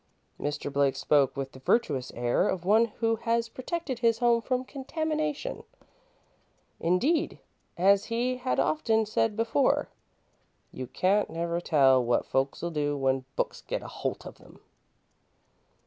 Mr. Blake spoke with the virtuous air of one who has protected his home from contamination. Indeed, as he had often said before, "you can't never tell what folks'll do when books gets a holt of 'em."